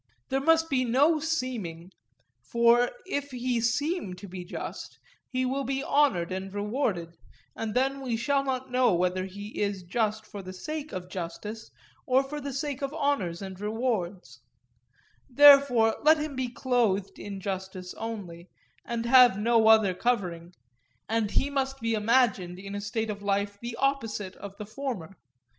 There must be no seeming, for if he seem to be just he will be honoured and rewarded, and then we shall not know whether he is just for the sake of justice or for the sake of honours and rewards; therefore, let him be clothed in justice only, and have no other covering; and he must be imagined in a state of life the opposite of the former.